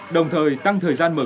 đồng thời tăng thời gian mực